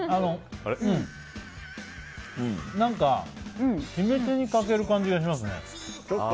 何か、決め手に欠ける感じがしますね。